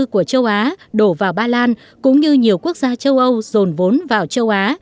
của châu á đổ vào ba lan cũng như nhiều quốc gia châu âu rồn vốn vào châu á